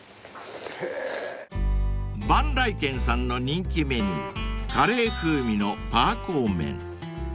［萬来軒さんの人気メニューカレー風味のぱーこー麺］